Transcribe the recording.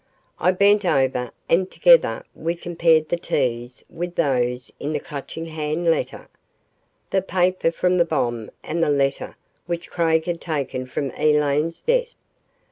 I bent over and together we compared the T's with those in the Clutching Hand letter, the paper from the bomb and the letter which Craig had taken from Elaine's desk.